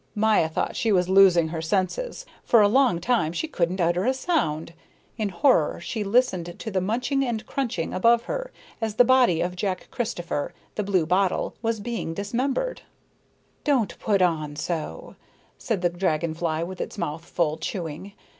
Maya thought she was losing her senses. For a long time she couldn't utter a sound. In horror she listened to the munching and crunching above her as the body of Jack Christopher the blue bottle was being dismembered. "Don't put on so," said the dragon fly with its mouth full, chewing.